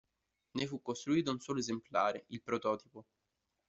Ne fu costruito un solo esemplare, il prototipo.